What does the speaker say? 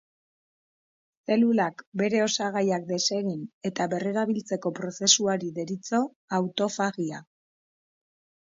Zelulak bere osagaiak desegin eta berrerabiltzeko prozesuari deritzo autofagia.